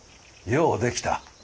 ようできた。